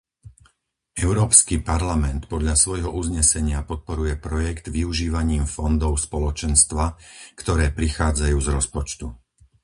Európsky parlament podľa svojho uznesenia podporuje projekt využívaním fondov Spoločenstva, ktoré prichádzajú z rozpočtu.